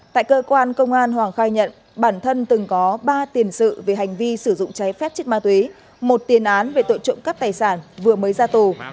tại cơ quan công an hoàng khai nhận bản thân từng có ba tiền sự về hành vi sử dụng cháy phép chất ma túy một tiền án về tội trộm cắp tài sản vừa mới ra tù